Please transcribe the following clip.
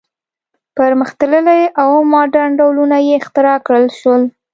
پرمختللي او ماډرن ډولونه یې اختراع کړل شول.